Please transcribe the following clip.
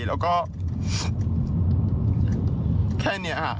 แล้วก็แค่เนี่ยฮะ